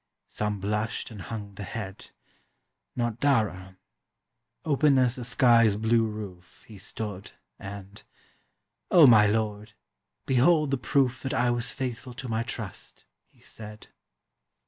Some blushed and hung the head; Not Dara; open as the sky's blue roof He stood, and, "O my lord, behold the proof That I was faithful to my trust," he said.